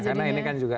karena ini kan juga